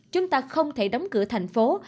chúng ta không thể đóng cửa thành phố